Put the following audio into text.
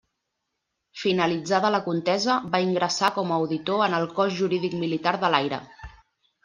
Finalitzada la contesa va ingressar com a auditor en el Cos Jurídic Militar de l'Aire.